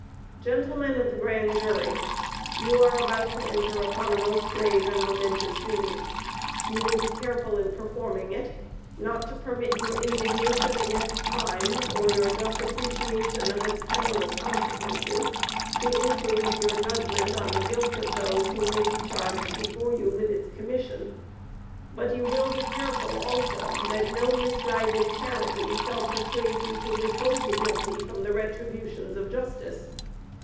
Gentlemen of the Grand Jury: You are about to enter upon a most grave and momentous duty. You will be careful in performing it, not to permit your indignation against crime, or your just appreciation of its perilous consequences, to influence your judgment of the guilt of those who may be charged before you with its commission. But you will be careful, also, that no misguided charity shall persuade you to withhold the guilty from the retributions of justice.